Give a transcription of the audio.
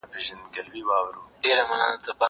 لیک د زهشوم له خوا کيږي.